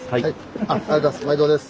ありがとうございます。